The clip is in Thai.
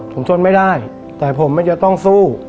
ผมทนไม่ได้แต่ผมมันจะต้องสู้